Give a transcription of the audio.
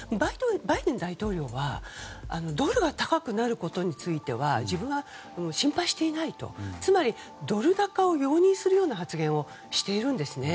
バイデン大統領はドルが高くなることについては自分は心配していないつまりドル高を容認するような発言をしているんですね。